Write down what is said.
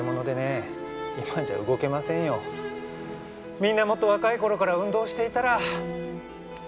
みんなもっと若い頃から運動していたら。